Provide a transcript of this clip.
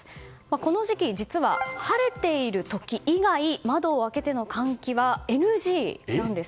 この時期、実は晴れている時以外窓を開けての換気はＮＧなんです。